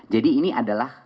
jadi ini adalah